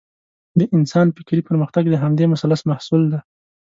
د انسان فکري پرمختګ د همدې مثلث محصول دی.